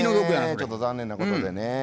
ちょっと残念なことでね。